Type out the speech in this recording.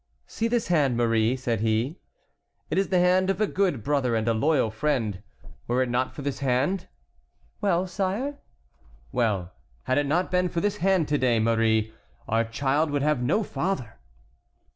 "See this hand, Marie," said he, "it is the hand of a good brother and a loyal friend. Were it not for this hand"— "Well, sire?" "Well, had it not been for this hand to day, Marie, our child would have no father."